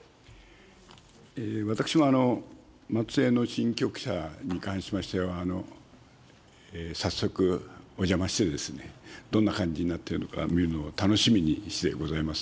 私も、松江の新局舎に関しましては、早速お邪魔して、どんな感じになってるのか見るのを楽しみにしてございます。